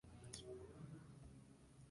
Dale Jr.